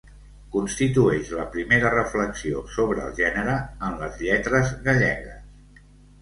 Constitueix la primera reflexió sobre el gènere en les lletres gallegues.